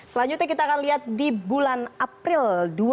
selanjutnya kita akan lihat di bulan april dua ribu dua puluh